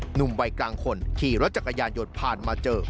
หนุ่มวัยกลางคนขี่รถจักรยานยนต์ผ่านมาเจอ